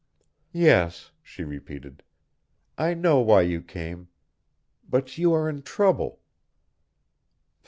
"Yes," she repeated, "I know why you came. But you are in trouble."